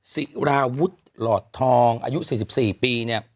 สิราวุฒิหลอดทองอายุ๔๔ปี